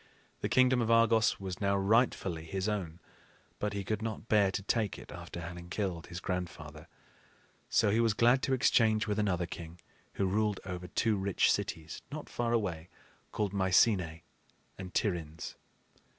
The kingdom of Argos was now rightfully his own, but he could not bear to take it after having killed his grandfather. So he was glad to exchange with another king who ruled over two rich cities, not far away, called Mycenae and Tiryns.